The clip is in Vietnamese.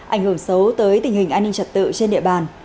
ảnh hưởng xấu tới tình hình an ninh trật tự trên địa bàn